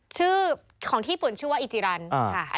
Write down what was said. ชื่อของที่ญี่ปุ่นชื่อว่าอิจิรันค่ะ